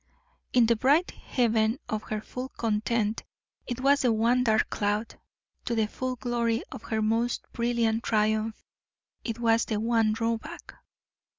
In the bright heaven of her full content it was the one dark cloud; to the full glory of her most brilliant triumph it was the one drawback.